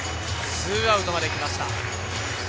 ２アウトまで来ました。